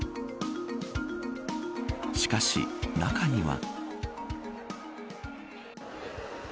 しかし、中には。